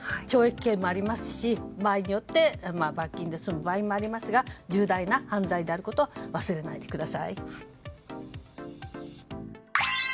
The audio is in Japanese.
懲役刑もありますし場合によって罰金で済む場合もありますが重大な犯罪であることを忘れないでください。